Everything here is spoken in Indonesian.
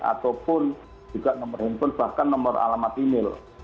ataupun juga nomor handphone bahkan nomor alamat email